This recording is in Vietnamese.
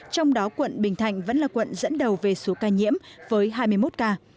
trong đó quận bình thạnh vẫn là quận dẫn đầu về số ca nhiễm với hai mươi một ca